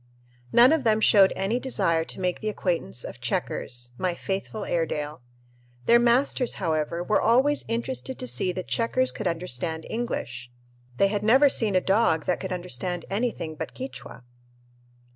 None of them showed any desire to make the acquaintance of "Checkers," my faithful Airedale. Their masters, however, were always interested to see that "Checkers" could understand English. They had never seen a dog that could understand anything but Quichua!